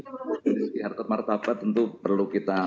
dari segi harta martabat tentu perlu kita